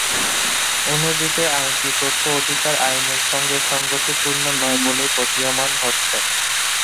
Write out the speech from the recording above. অন্যদিকে আইনটি তথ্য অধিকার আইনের সঙ্গে সংগতিপূর্ণ নয় বলেই প্রতীয়মান হচ্ছে।